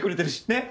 ねっ？